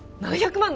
７００万